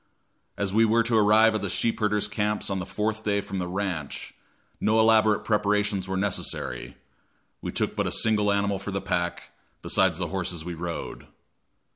As we were to arrive at the sheep herders' camps on the fourth day from the ranch, no elaborate preparations were necessary; we took but a single animal for the pack, besides the horses we rode.